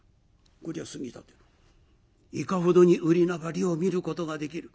「こりゃ杉立いかほどに売り上がりを見ることができる？」。